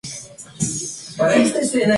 Se prometió que se estudiaría el caso.